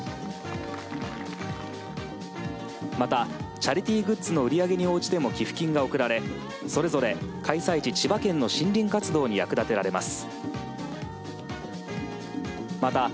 また、チャリティーグッズの売り上げに応じても寄付金が贈られそれぞれ開催地・千葉県の森林活動に役立てられます。